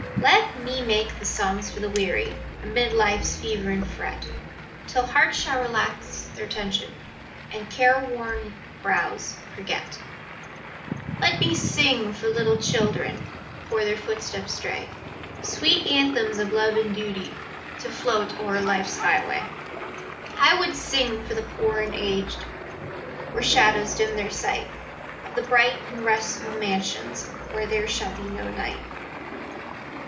Let me make the songs for the weary, Amid life's fever and fret, Till hearts shall relax their tension, And careworn brows forget. Let me sing for little children, Before their footsteps stray, Sweet anthems of love and duty, To float o'er life's highway. I would sing for the poor and aged, When shadows dim their sight; Of the bright and restful mansions, Where there shall be no night.